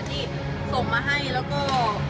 ที่ส่งมาให้แล้วก็เมย์เองเมย์ก็เชื่อมันว่า